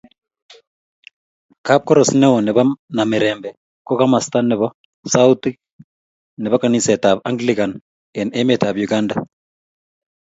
Kapkoros neo nebo Namirembe ko komasta nebo sautiik nebo kanisetab anglican eng emetab Uganda.